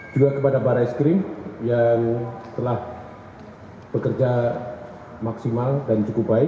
juga kepada barai skrim yang telah bekerja maksimal dan cukup baik